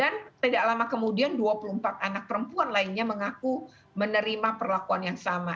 dan tidak lama kemudian dua puluh empat anak perempuan lainnya mengaku menerima perlakuan yang sama